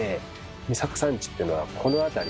御坂山地っていうのはこの辺りです。